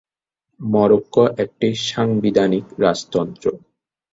Morocco একটি সাংবিধানিক রাজতন্ত্র।